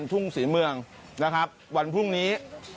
ทุ่งศรีเมืองวันพรุ่งนี้